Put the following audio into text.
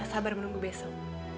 aku ga sabar menunggu besok